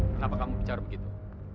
kenapa kamu bicara begitu